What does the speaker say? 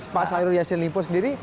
pak syarul yasin limpo sendiri